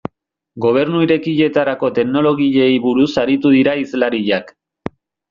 Gobernu Irekietarako teknologiei buruz aritu dira hizlariak.